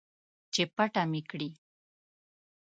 چې پټه مې کړي